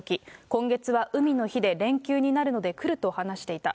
今月は海の日で連休になるので、来ると話していた。